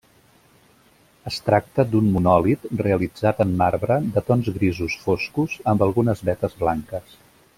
Es tracta d'un monòlit realitzat en marbre de tons grisos foscos amb algunes vetes blanques.